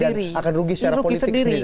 dan akan rugi secara politik sendiri